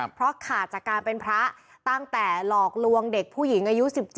เพราะขาดจากการเป็นพระตั้งแต่หลอกลวงเด็กผู้หญิงอายุ๑๗